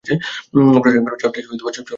প্রশাসনিকভাবে শহরটি চকরিয়া উপজেলার সদর।